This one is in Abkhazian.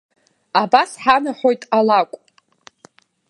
Абас ҳанаҳәоит алакә.